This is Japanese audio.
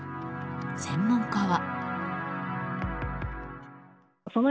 専門家は。